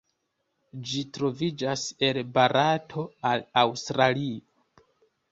Ĝi troviĝas el Barato al Aŭstralio.